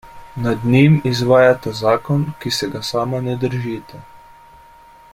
Nad njim izvajata zakon, ki se ga sama ne držita.